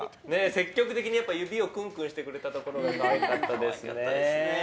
積極的に指をクンクンしてくれたところが可愛かったですね。